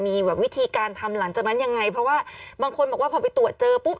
มีแบบวิธีการทำหลังจากนั้นยังไงเพราะว่าบางคนบอกว่าพอไปตรวจเจอปุ๊บ